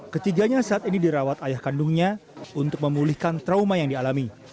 ketiganya saat ini dirawat ayah kandungnya untuk memulihkan trauma yang dialami